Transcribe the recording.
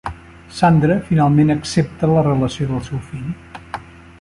Sandra finalment accepta la relació del seu fill.